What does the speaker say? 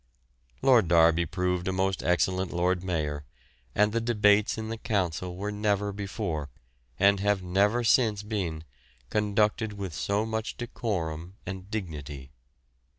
Lord Derby proved a most excellent Lord Mayor, and the debates in the Council were never before and have never since been conducted with so much decorum and dignity.